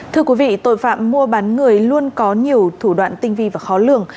thưa quý vị tội phạm mua bán người luôn có nhiều thủ đoạn tinh vi và khó lường